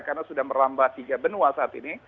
karena sudah merambah tiga benua saat ini